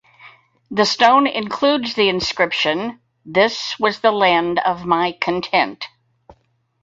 The stone includes the inscription "This was the land of my content".